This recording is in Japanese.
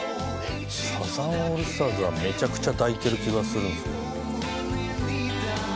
サザンオールスターズはめちゃくちゃ抱いてる気がする。